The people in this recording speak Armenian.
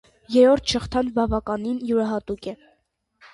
Երրորդ շղթան բավականին յուրահատուկ է։